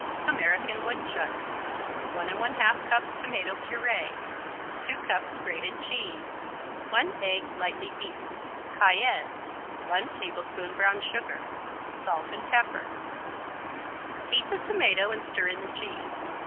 American Woodchuck 1 1/2 cups tomato purée 2 cups grated cheese 1 egg, lightly beaten Cayenne 1 tablespoon brown sugar Salt and pepper Heat the tomato and stir in the cheese.